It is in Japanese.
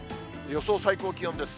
予想最高気温です。